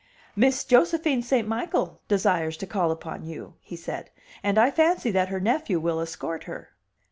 "Miss Josephine St. Michael desires to call upon you," he said, "and I fancy that her nephew will escort her."